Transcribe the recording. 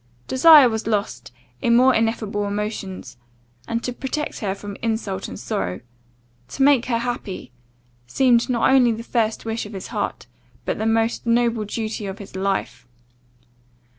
Desire was lost in more ineffable emotions, and to protect her from insult and sorrow to make her happy, seemed not only the first wish of his heart, but the most noble duty of his life.